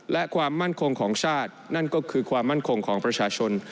และความมั่นคงของชาตินั่นก็คือความมั่นคงของประชาชน